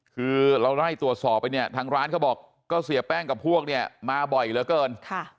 คือเราไล่ตรวจสอบไปเนี่ยทางร้านเขาบอกก็เสียแป้งกับพวกเนี่ยมาบ่อยเหลือเกิน